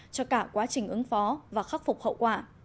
cho cả quá trình ứng phó và khắc phục hậu quả